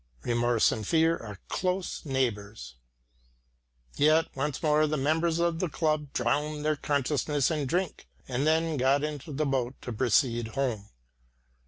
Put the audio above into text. Remorse and fear are close neighbours. Yet once more the members of the club drowned their consciousness in drink and then got into the boat to proceed home.